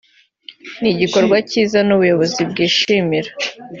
ni igikorwa cyiza n’ubuyobozi bwishimira